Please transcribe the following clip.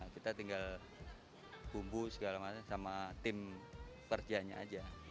kita tinggal kubu segala macam sama tim kerjanya aja